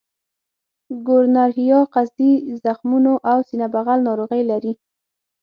ګونورهیا قصدي زخمونو او سینه بغل ناروغۍ لري.